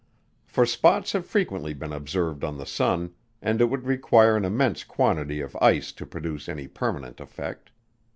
For spots have frequently been observed on the sun, and it would require an immense quantity of ice to produce any permanent effect.